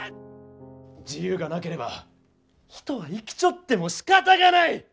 自由がなければ人は生きちょってもしかたがない！